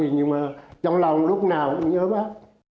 nhưng trong lòng lúc nào cũng nhớ bác